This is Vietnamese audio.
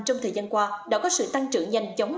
trong thời gian qua đã có sự tăng trưởng nhanh chóng